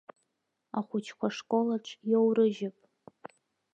Ахәыҷқәа ашколаҿ иоурыжьып.